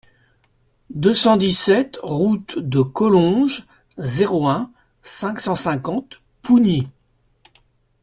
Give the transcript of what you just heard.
deux cent dix-sept route de Collonges, zéro un, cinq cent cinquante Pougny